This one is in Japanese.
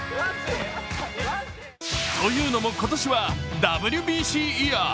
というのも今年はＷＢＣイヤー。